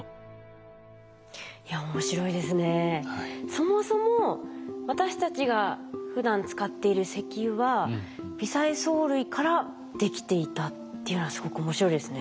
そもそも私たちがふだん使っている石油は微細藻類からできていたっていうのはすごく面白いですね。